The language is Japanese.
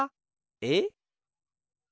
えっ？